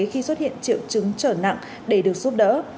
khi xuất hiện triệu chứng trở nặng để được giúp đỡ